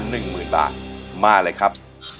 ๑หมื่นบาทมาเลยครับ